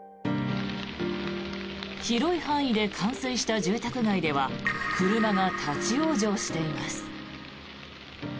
広い範囲で冠水した住宅街では車が立ち往生しています。